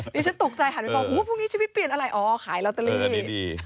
บอกว่าพรุ่งนี้ชีวิตเปลี่ยนอะไรอ๋อขายลอตเตอรี่